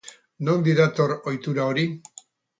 Nondik dator ohitura hori?